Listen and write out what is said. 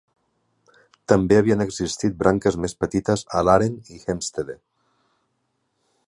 També havien existit branques més petites a Laren i Heemstede.